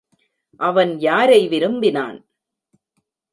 அவன் யாரை விரும்பினான்?